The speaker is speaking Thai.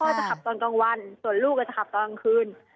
จะขับตอนกลางวันส่วนลูกก็จะขับตอนกลางคืน